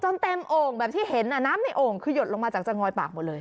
เต็มโอ่งแบบที่เห็นน้ำในโอ่งคือหยดลงมาจากจะงอยปากหมดเลย